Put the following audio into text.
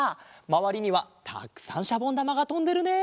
まわりにはたくさんしゃぼんだまがとんでるね！